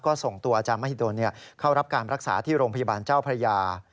ก็ส่งตัวอาจารย์มหิดลเข้ารับการรักษาที่โรงพยาบาลเจ้าพระยา